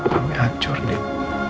kami hancur deh